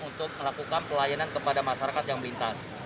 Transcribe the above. untuk melakukan pelayanan kepada masyarakat yang melintas